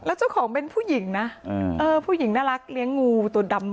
แล้วเจ้าของเป็นผู้หญิงนะผู้หญิงน่ารักเลี้ยงงูตัวดำ